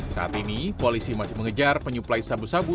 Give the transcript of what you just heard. saat ini polisi masih mengejar penyuplai sabu sabu